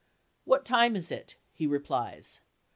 "What time is it?" he replies.